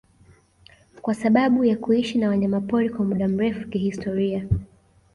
kwa sababu ya kuishi na wanyamapori kwa muda mrefu kihistoria